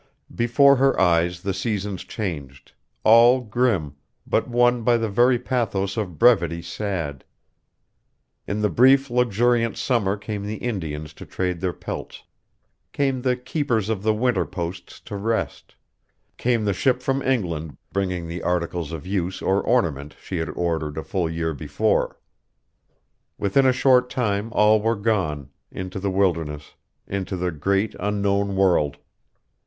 Before her eyes the seasons changed, all grim, but one by the very pathos of brevity sad. In the brief luxuriant summer came the Indians to trade their pelts, came the keepers of the winter posts to rest, came the ship from England bringing the articles of use or ornament she had ordered a full year before. Within a short time all were gone, into the wilderness, into the great unknown world.